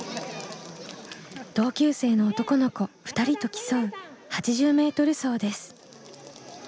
同級生の男の子２人と競う８０ｍ走です。